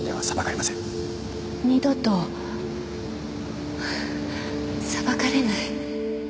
二度と裁かれない。